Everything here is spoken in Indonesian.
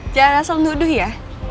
jangan rasal nuduh ya